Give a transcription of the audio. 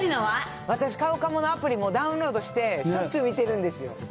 私カウカモのアプリ、もうダウンロードして、しょっちゅう見てるんですよ。